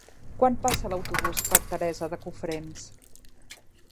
Quan passa l'autobús per Teresa de Cofrents?